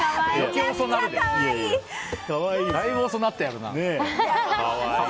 だいぶ遅なったやろな。